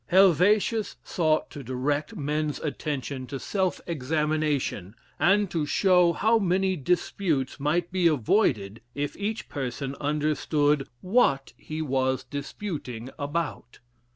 Heivetius sought to direct men's attention to self examination, and to show how many disputes might be avoided if each person understood what he was disputing about.